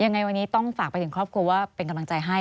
ยังไงวันนี้ต้องฝากไปถึงครอบครัวว่าเป็นกำลังใจให้